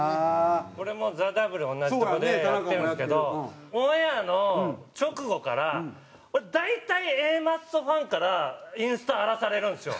俺もＴＨＥＷ同じとこでやってるんですけどオンエアの直後から大体Ａマッソファンからインスタ荒らされるんですよ。